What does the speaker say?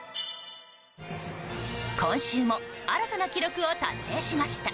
今週も新たな記録を達成しました。